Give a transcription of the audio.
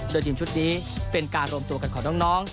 โดยทีมชุดนี้เป็นการรวมตัวกันของน้อง